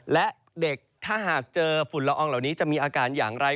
และเด็กถ้าหากเจอฝุ่นละอองเหล่านี้จะมีอาการอย่างไร